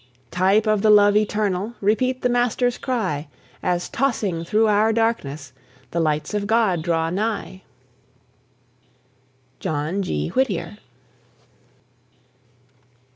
Type of the Love eternal, Repeat the Master's cry, As tossing through our darkness The lights of God draw nigh! JOHN G. WHITTIER.